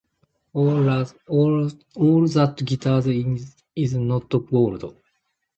“All that glitters is not gold.”